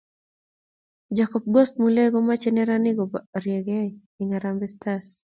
Jacob Ghost Muleeo komochee neranik koboriekei eng Harambee Stars.